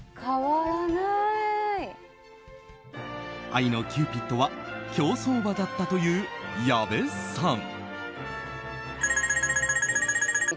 愛のキューピッドは競走馬だったという矢部さん。